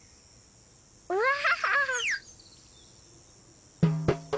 うわ！